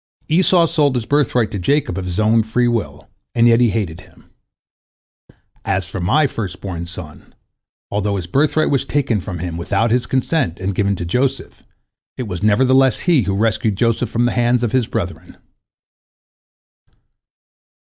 Esau sold his birthright to Jacob of his own free will, and yet he hated him. As for my first born son, although his birthright was taken from him without his consent, and given to Joseph, it was nevertheless he who rescued Joseph from the hands of his brethren."